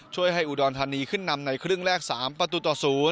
ช่วยให้อุดรธานีขึ้นนำในครึ่งแรก๓ประตูต่อ๐